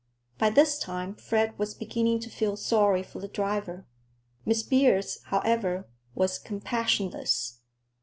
By this time Fred was beginning to feel sorry for the driver. Miss Beers, however, was compassionless.